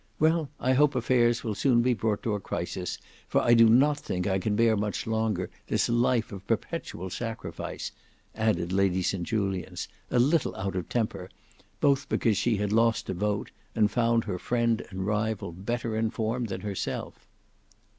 Well, I hope affairs will soon be brought to a crisis, for I do not think I can bear much longer this life of perpetual sacrifice," added Lady St Julians a little out of temper, both because she had lost a vote and found her friend and rival better informed than herself.